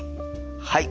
はい。